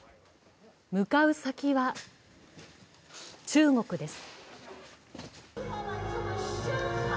向かう先は中国です。